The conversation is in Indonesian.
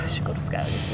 syukur sekali sih